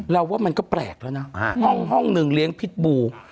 ว่ามันก็แปลกแล้วนะห้องหนึ่งเลี้ยงพิษบู